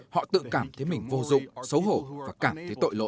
họ tự cảm thấy mình vô dụng xấu hổ và cảm thấy tội lỗi